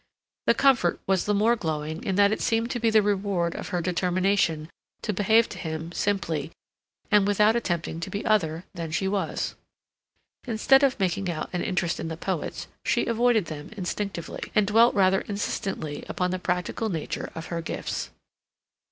The comfort was the more glowing in that it seemed to be the reward of her determination to behave to him simply and without attempting to be other than she was. Instead of making out an interest in the poets, she avoided them instinctively, and dwelt rather insistently upon the practical nature of her gifts.